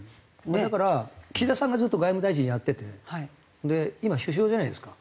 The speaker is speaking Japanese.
だから岸田さんがずっと外務大臣やってて今首相じゃないですか。